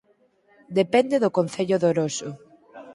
Depende do Concello de Oroso